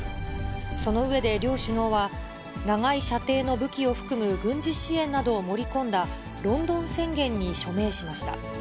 その上で両首脳は、長い射程の武器を含む軍事支援などを盛り込んだロンドン宣言に署名しました。